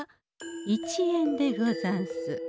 １円でござんす。